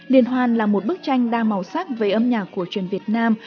liên hoàn là một bức tranh đa màu sắc về âm nhạc của truyền việt nam